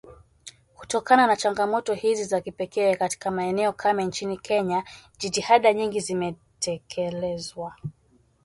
Kutokana na changamoto hizi za kipekee katika maeneo kame nchini Kenya jitihada nyingi zimetekelezwa